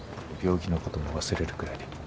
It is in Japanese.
病気のことも忘れるくらいで。